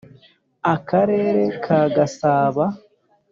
akarere ka gasaba